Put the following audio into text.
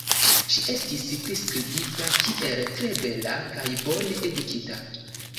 Ŝi estis priskribita kiel tre bela kaj bone edukita.